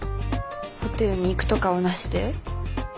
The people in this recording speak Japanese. ホテルに行くとかはなしで？